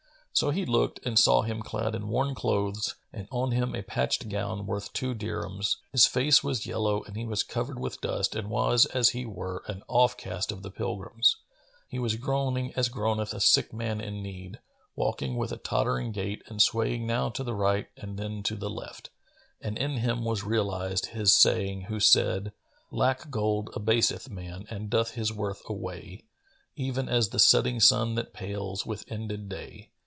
So he looked and saw him clad in worn clothes and on him a patched gown[FN#449] worth two dirhams: his face was yellow and he was covered with dust and was as he were an offcast of the pilgrims.[FN#450] He was groaning as groaneth a sick man in need, walking with a tottering gait and swaying now to the right and then to the left, and in him was realized his saying who said,[FN#451] "Lack gold abaseth man and doth his worth away, Even as the setting sun that pales with ended day.